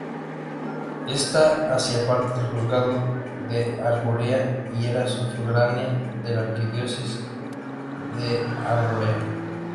Esta hacía parte del juzgado de Arborea y era sufragánea del arquidiócesis de Arborea.